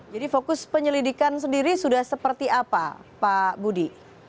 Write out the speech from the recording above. jadi fokus penyelidikan sendiri sudah seperti apa pak budi